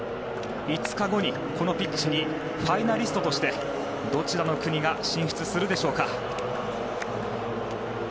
５日後に、このピッチにファイナリストとしてどちらの国が進出するでしょうか。